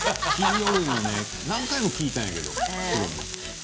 何回も聞いたんだけど。